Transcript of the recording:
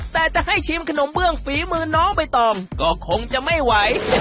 แต่จะให้ชิมขนมเบื้องฝีมือน้องใบตองก็คงจะไม่ไหว